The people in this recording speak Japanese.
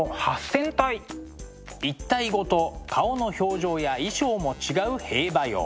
１体ごと顔の表情や衣装も違う兵馬俑。